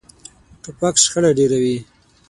توپک شخړه ډېروي.